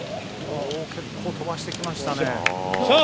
結構飛ばしてきましたね。